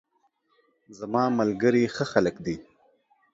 زماملګري ښه خلګ دي